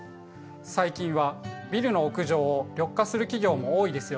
最近はビルの屋上を緑化する企業も多いですよ。